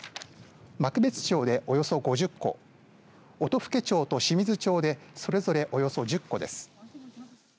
幕別町でおよそ５０戸音更町と清水町でそれぞれおよそ１０戸です。